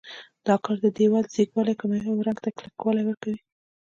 دا کار د دېوال ځیږوالی کموي او رنګ ته کلکوالی ورکوي.